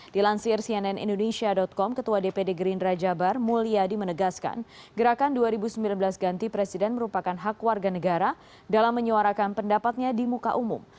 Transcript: dilansir cnn indonesia com ketua dpd gerindra jabar mulyadi menegaskan gerakan dua ribu sembilan belas ganti presiden merupakan hak warga negara dalam menyuarakan pendapatnya di muka umum